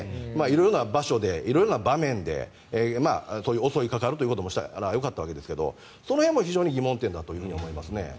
色々な場所で色々な場面でそういう襲いかかることをしたらよかったわけですがその辺も非常に疑問点だと思いますね。